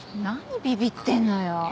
何ビビってんのよ。